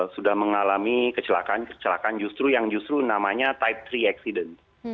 sudah mengalami kecelakaan kecelakaan justru yang justru namanya tight tiga accident